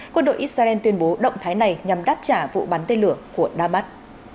quân đội israel tuyên bố động thái này nhằm đáp trả vụ bắn tên lửa của damas